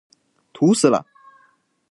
土死了！